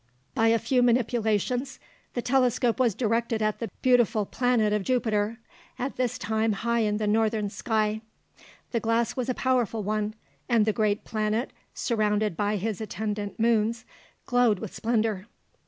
By a few manipulations the telescope was directed at the beautiful planet of Jupiter, at this time high in the northern sky. The glass was a powerful one, and the great planet, surrounded by his attendant moons, glowed with splendour.